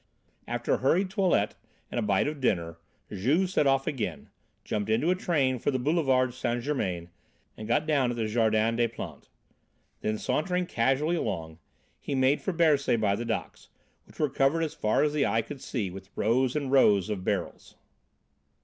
After a hurried toilet and a bite of dinner, Juve set off again, jumped into a train for the Boulevard St. Germain and got down at the Jardin des Plantes. Then, sauntering casually along, he made for Bercy by the docks, which were covered as far as the eye could see with rows and rows of barrels.